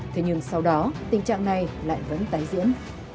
thế nhưng sau đó tình trạng này lại vẫn tái diễn